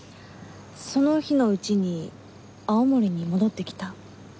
その日のうちに青森に戻ってきた。